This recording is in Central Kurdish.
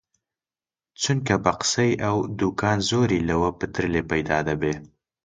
چونکە بە قسەی ئەو، دووکان زۆری لەوە پتر لێ پەیدا دەبێ